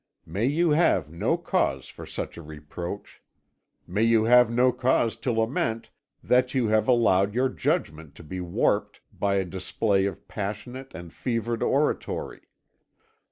May you have no cause for such a reproach! May you have no cause to lament that you have allowed your judgment to be warped by a display of passionate and fevered oratory!